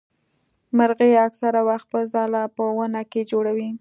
مرغۍ اکثره وخت خپل ځاله په ونه کي جوړوي.